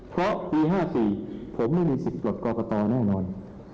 เพราะปี๕๔ผมไม่มีสิทธิ์จบกรกตแน่นอน